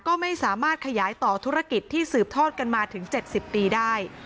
ก็ไม่สามารถขยายต่อธุรกิจที่สืบทอดกันมาถึง๗๐ปีได้